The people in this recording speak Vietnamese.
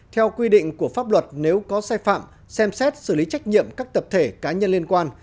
theo quy định của pháp luật nếu có sai phạm xem xét xử lý trách nhiệm các tập thể cá nhân liên quan